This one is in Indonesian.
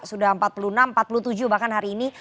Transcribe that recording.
sudah empat puluh enam empat puluh tujuh bahkan hari ini